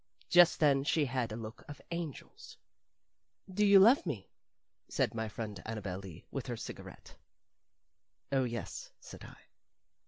Just then she had a look of angels. "Do you love me?" said my friend Annabel Lee, with her cigarette. "Oh, yes," said I.